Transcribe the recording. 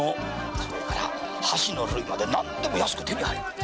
それから箸の類まで何でも安く手に入る。